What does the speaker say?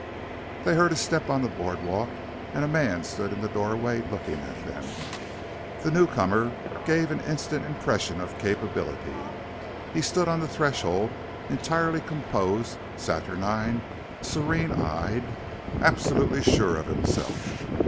They heard a step on the board walk, and a man stood in the doorway looking at them. The newcomer gave an instant impression of capability. He stood on the threshold, entirely composed, saturnine, serene eyed, absolutely sure of himself.